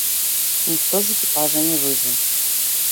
Ніхто з экіпажа не выжыў.